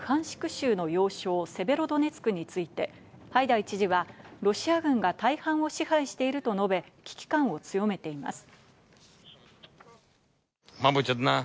州の要衝セベロドネツクについて、ハイダイ知事はロシア軍が大半を支配していると述べ、危機感を強めています。